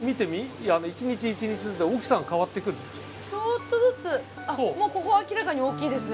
ちょっとずつあっもうここは明らかに大きいですね。